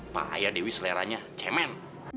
pak haya dewi seleranya cemen